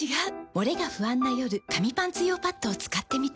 モレが不安な夜紙パンツ用パッドを使ってみた。